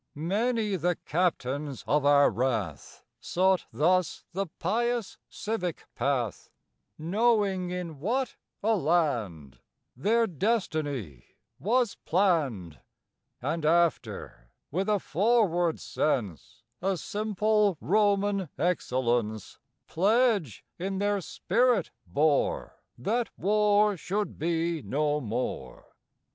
Many the captains of our wrath Sought thus the pious civic path, Knowing in what a land Their destiny was planned, And after, with a forward sense, A simple Roman excellence, Pledge in their spirit bore That war should be no more.